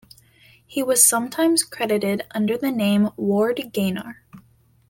He was sometimes credited under the name Ward Gaynor.